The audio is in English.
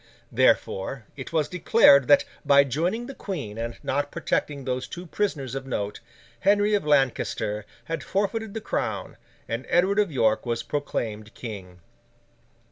Therefore, it was declared that by joining the Queen and not protecting those two prisoners of note, Henry of Lancaster had forfeited the crown; and Edward of York was proclaimed King.